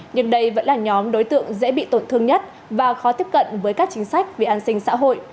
nhưng đây vẫn là nhóm đối tượng dễ bị tổn thương nhất và khó tiếp cận với các chính sách vì an sinh xã hội